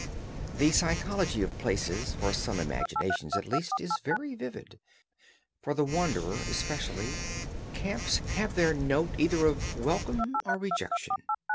The psychology of places, for some imaginations at least, is very vivid; for the wanderer, especially, camps have their "note" either of welcome or rejection.